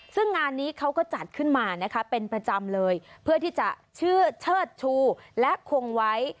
ซึ่งงานนี้เขาก็จัดขึ้นมานะคะเป็นประจำเลยเพื่อที่จะชื่อเชิดชูและคงไว้